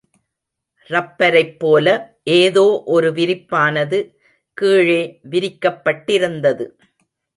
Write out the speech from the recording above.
ரப்பரைப்போல ஏதோ ஒரு விரிப்பானது கீழே விரிக்கப்பட்டிருந்தது.